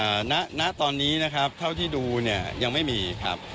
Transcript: ณณตอนนี้นะครับเท่าที่ดูเนี่ยยังไม่มีครับ